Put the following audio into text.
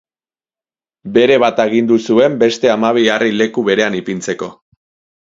Berebat agindu zuen beste hamabi harri leku berean ipintzeko.